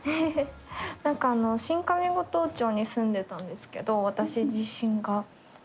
何かあの新上五島町に住んでたんですけど私自身が。